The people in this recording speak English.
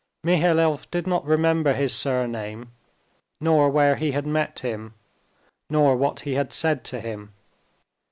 Mihailov did not remember his surname nor where he had met him, nor what he had said to him.